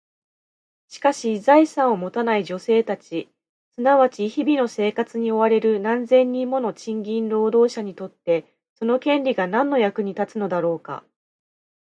しかし、財産を持たない女性たち、すなわち日々の生活に追われる何千人もの賃金労働者にとって、その権利が何の役に立つのだろうか？